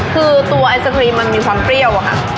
คือตัวไอศครีมมันมีความเปรี้ยวอะค่ะ